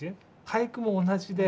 俳句も同じで。